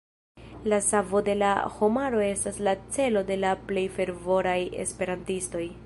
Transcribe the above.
La savo de la homaro estas la celo de la plej fervoraj Esperantistoj.